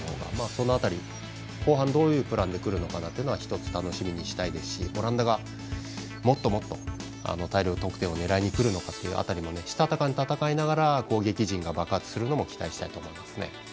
その辺り後半、どういうプランでくるのかっていうところは一つ、楽しみにしたいですしオランダが、もっともっと大量得点を狙いにくるのかというところもしたたかに戦いながら攻撃陣が爆発するのを期待したいと思いますね。